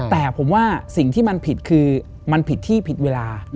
แต่ผมว่าสิ่งที่มันผิดคือมันผิดที่ผิดเวลา